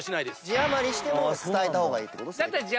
字余りしても伝えた方がいいってこと？